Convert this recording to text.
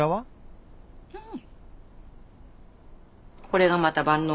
うん！